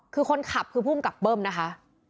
คือคนขับคือภูมิกับเบิ้มนะคะ